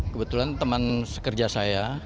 kebetulan teman sekerja saya